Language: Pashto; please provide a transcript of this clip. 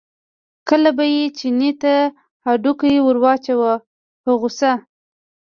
کله به یې چیني ته هډوکی ور واچاوه په غوسه.